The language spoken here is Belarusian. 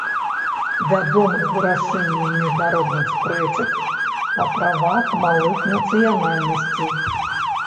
Вядомы вырашэннем міжнародных спрэчак па правах малых нацыянальнасцей.